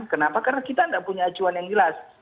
kenapa karena kita tidak punya acuan yang jelas